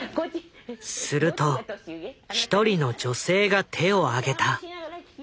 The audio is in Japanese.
すると一人の女性が手を挙げた。